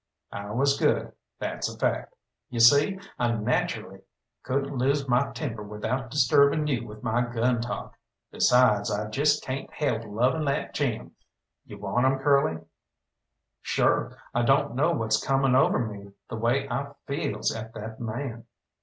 "I was good, that's a fact. You see, I nacherally couldn't lose my temper without disturbing you with my gun talk. Besides, I jest cayn't help loving that Jim. You want him, Curly?" "Sure, I don't know what's coming over me the way I feels at that man.